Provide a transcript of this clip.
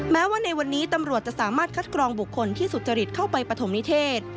แม้ว่าในวันนี้ตำรวจจะสามารถคัดกรองบุคคลที่สุจริตเข้าไปปฐมนิเทศ